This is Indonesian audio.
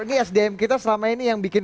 ini sdm kita selama ini yang bikin